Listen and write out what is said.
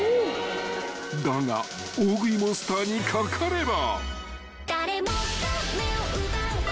［だが大食いモンスターにかかれば］